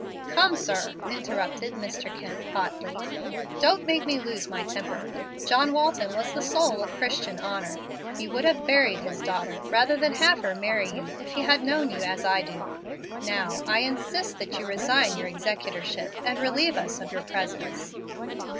"Come, sir," interrupted Mr. Kemp, hotly, "don't make me lose my temper. John Walton was the soul of Christian honor. He would have buried his daughter rather than have her marry you, if he had known you as I do. I now insist that you resign your executorship and relieve us of your presence."